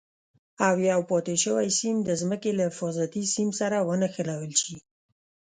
او یو پاتې شوی سیم د ځمکې له حفاظتي سیم سره ونښلول شي.